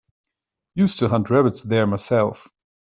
Used to hunt rabbits there myself.